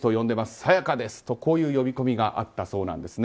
沙也加ですとこういう呼び込みがあったそうです。